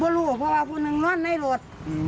บ่รู้ว่าพวกนั้นนอนในรถ